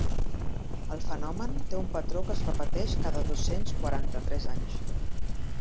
El fenomen té un patró que es repeteix cada dos-cents quaranta-tres anys.